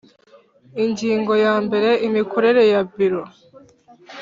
Ingingo yambere Imikorere ya Biro